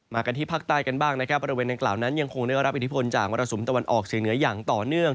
มากันที่ภาคใต้เวลานั้นก็ยังรับอิทฤษฯจากวัดอสุมตะวันออกสีเหนือยังต่อเนื่อง